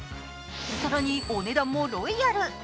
更にお値段もロイヤル。